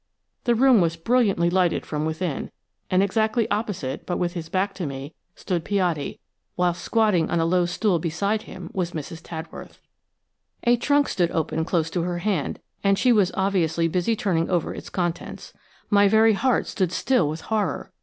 The room was brilliantly lighted from within, and exactly opposite, but with his back to me, stood Piatti, whilst squatting on a low stool beside him was Mrs. Tadworth. A trunk stood open close to her hand, and she was obviously busy turning over its contents. My very heart stood still with horror.